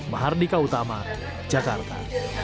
mahardika utama jakarta